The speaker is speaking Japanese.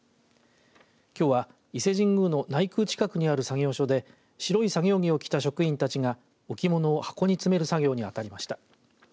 きょうは伊勢神宮の内宮近くにある作業所で白い作業着を着た職員たちが置物を箱に詰める作業に当たりました。